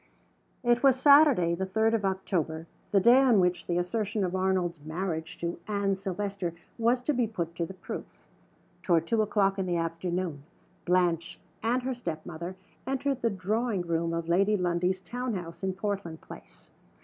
IT was Saturday, the third of October the day on which the assertion of Arnold's marriage to Anne Silvester was to be put to the proof. Toward two o'clock in the afternoon Blanche and her step mother entered the drawing room of Lady Lundie's town house in Portland Place.